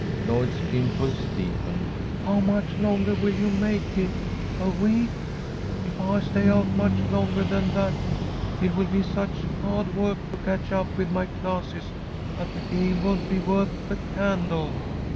Lloyd's dimples deepened. "How much longah will you make it? A week? If I stay out much longah than that, it will be such hah'd work to catch up with my classes that the game won't be worth the candle."